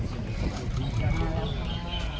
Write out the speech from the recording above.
ขอบคุณมากขอบคุณค่ะ